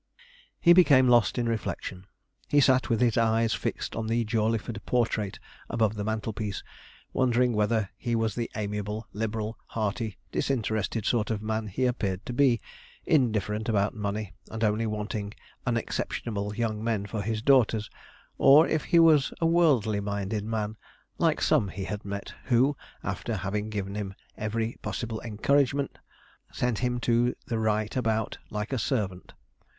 He became lost in reflection. He sat with his eyes fixed on the Jawleyford portrait above the mantelpiece, wondering whether he was the amiable, liberal, hearty, disinterested sort of man he appeared to be, indifferent about money, and only wanting unexceptionable young men for his daughters; or if he was a worldly minded man, like some he had met, who, after giving him every possible encouragement, sent him to the right about like a servant.